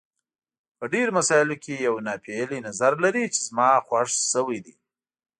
په ډېرو مسایلو کې یو ناپېیلی نظر لري چې زما خوښ شوی دی.